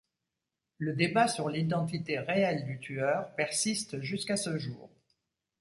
Le débat sur l'identité réelle du tueur persiste jusqu'à ce jour.